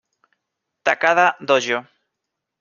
Takada Dojo